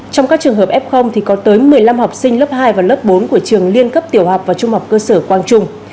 trong các trường hợp f thì có tới một mươi năm học sinh lớp hai và lớp bốn của trường liên cấp tiểu học và trung học cơ sở quang trung